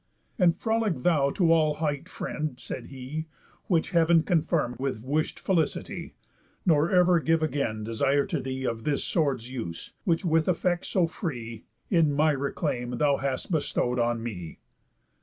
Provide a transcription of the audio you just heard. "And frolic thou to all height, friend," said he, "Which heav'n confirm with wish'd felicity; Nor ever give again desire to thee Of this sword's use, which with affects so free, In my reclaim, thou hast bestow'd on me."